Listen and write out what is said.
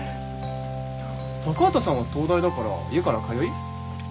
高畑さんは東大だから家から通い？